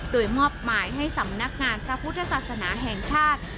โดยมอบหมายให้สำนักงานพระพุทธศาสนาแห่งชาติ